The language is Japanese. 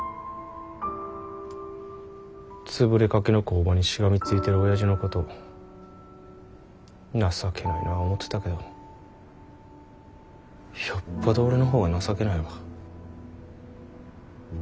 潰れかけの工場にしがみついてるおやじのこと情けないなぁ思てたけどよっぽど俺の方が情けないわ。